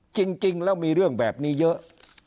จริงแล้วมีเรื่องแบบนี้เยอะ